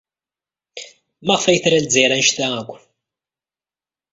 Maɣef ay tra Lezzayer anect-a akk?